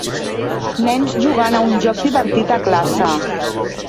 Nens jugant a un joc divertit a classe